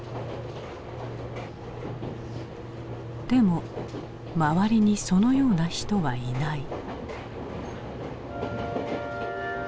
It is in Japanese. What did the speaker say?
でも周りにそのような人はいない。